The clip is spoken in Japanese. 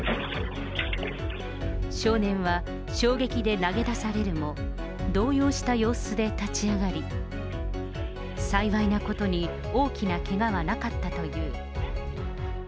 少年は衝撃で投げ出されるも、動揺した様子で立ち上がり、幸いなことに大きなけがはなかったという。